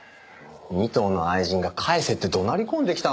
仁藤の愛人が返せって怒鳴り込んできたんですよ。